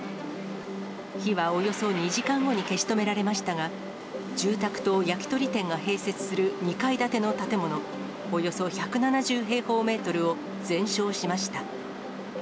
火はおよそ２時間後に消し止められましたが、住宅と焼き鳥店が併設する２階建ての建物、およそ１７０平方メートルを全焼しました。